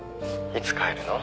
いつ帰るの？